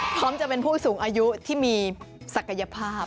พร้อมจะเป็นผู้สูงอายุที่มีศักยภาพ